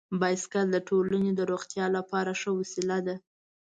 بایسکل د ټولنې د روغتیا لپاره ښه وسیله ده.